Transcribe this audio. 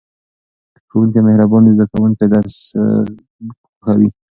که ښوونکی مهربان وي زده کوونکي درس خوښوي.